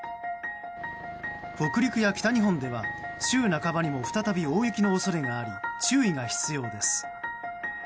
北陸や北日本では週半ばにも再び大雪の恐れがあり注意が必要です。